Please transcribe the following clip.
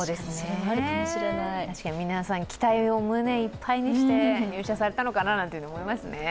確かに皆さん期待を胸いっぱいにして入社されたのかななんて思いますね。